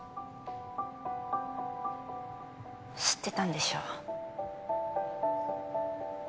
知ってたんでしょ？